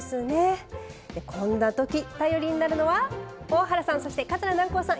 こんなとき頼りになるのは大原さんそして桂南光さん